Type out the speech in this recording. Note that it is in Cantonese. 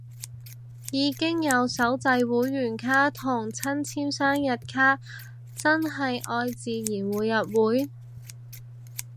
已經有手製會員卡同親簽生日卡，係真愛自然會入會